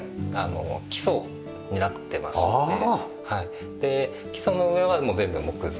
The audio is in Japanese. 基礎になってましてで基礎の上はもう全部木造。